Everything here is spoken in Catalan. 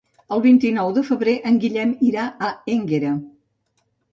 El vint-i-nou de febrer en Guillem irà a Énguera.